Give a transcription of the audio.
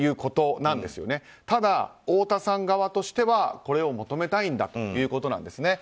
ただ、太田さん側としてはこれを求めたいんだということですね。